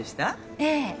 ええ。